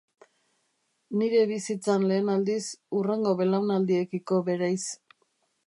Nire bizitzan lehen aldiz, hurrengo belaunaldiekiko bereiz.